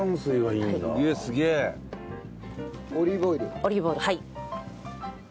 オリーブオイルはい。